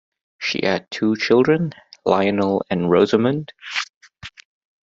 She had two children, Lionel and Rosamund.